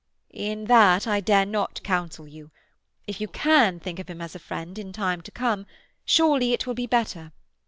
"In that I dare not counsel you. If you can think of him as a friend, in time to come, surely it will be better.